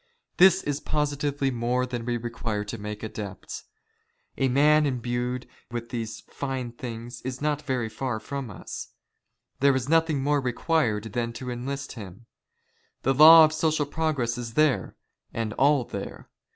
This is positively more than we require to " make adepts. A man imbued with these fine things is not u LETTER OF riCCOLO TIGRE, ETC. 77 " very far from us. There is nothing more requn ed than to " enlist liira. The Law of social progress is there, and all there.